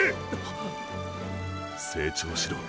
成長しろ。